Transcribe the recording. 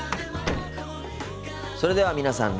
それでは皆さん